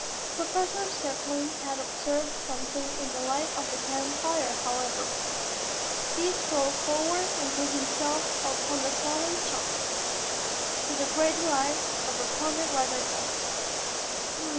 Professor Zepplin had observed something in the light of the campfire, however. He strode forward and threw himself upon the fallen Chops, to the great delight of the Pony Rider Boys.